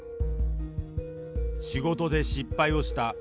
仕事で失敗をした。